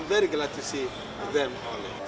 jadi saya sangat senang melihatnya